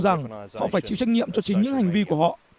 rằng họ phải chịu trách nhiệm cho chính những hành vi của họ